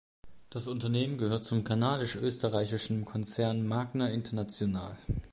Das Unternehmen gehört zum kanadisch-österreichischen Konzern Magna International.